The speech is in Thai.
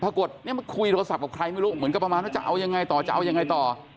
ปรากฏเนี่ยมาคุยโทรศัพท์กับใครไม่รู้เหมือนกับประมาณว่าจะเอายังไงต่อจะเอายังไงต่อ